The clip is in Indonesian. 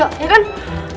gak boleh dicicipin dio